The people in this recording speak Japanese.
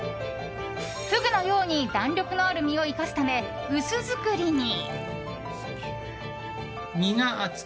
フグのように弾力のある身を生かすため薄造りに。